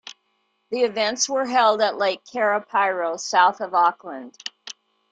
The events were held at Lake Karapiro, south of Auckland.